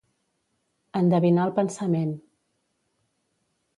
Endevinar el pensament.